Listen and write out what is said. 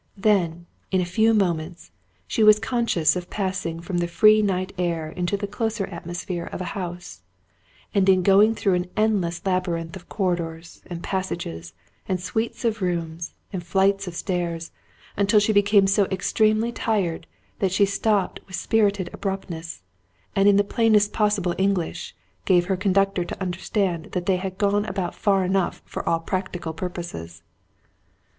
Then, in a few moments, she was conscious of passing from the free night air into the closer atmosphere of a house; and in going through an endless labyrinth of corridors, and passages, and suites of rooms, and flights of stairs, until she became so extremely tired, that she stopped with spirited abruptness, and in the plainest possible English, gave her conductor to understand that they had gone about far enough for all practical purposes.